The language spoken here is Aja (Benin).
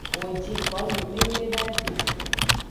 Wo ji komi memledagbe.